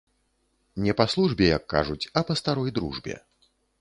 Не па службе, як кажуць, а па старой дружбе.